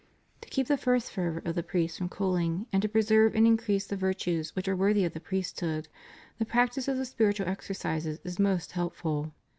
To keep the first fervor of the priests from cooling and to preserve and increase the virtues which are worthy of the priesthood, the practice of the spiritual exercises is most helpful.